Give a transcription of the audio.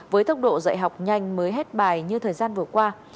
với tốc độ dạy học nhanh mới hết bài như thời gian vừa qua